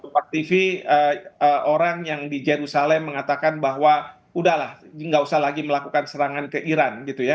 jadi orang yang di jerusalem mengatakan bahwa udahlah nggak usah lagi melakukan serangan ke iran gitu ya